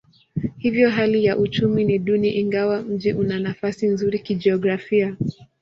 Hivyo hali ya uchumi ni duni ingawa mji una nafasi nzuri kijiografia.